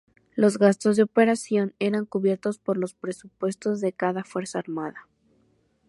Los gastos de operación eran cubiertos por los presupuestos de cada fuerza armada.